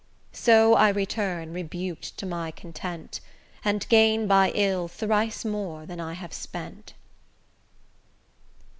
So I return rebuk'd to my content, And gain by ill thrice more than I have spent.